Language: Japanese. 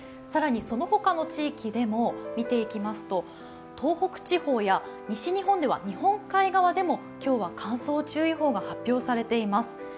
更にその他の地域でも、見ていきますと東北地方や西日本では日本海側でも今日は乾燥注意報が発表されています。